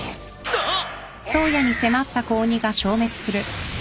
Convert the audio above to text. あっ！